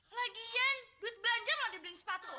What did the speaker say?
lagian duit belanja mah dibeliin sepatu